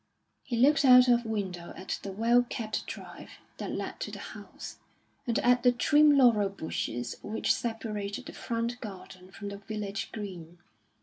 He looked out of window at the well kept drive that led to the house, and at the trim laurel bushes which separated the front garden from the village green.